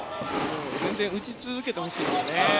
打ち続けてほしいですね。